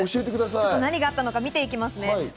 何があったのか見ていきます。